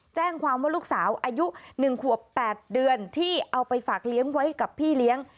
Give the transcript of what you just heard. แจ้งความว่าลูกสาวอายุ๑ขวบ๘เดือนที่เอาไปฝากเลี้ยงไว้กับพี่เลี้ยง